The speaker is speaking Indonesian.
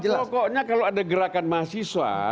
pokoknya kalau ada gerakan mahasiswa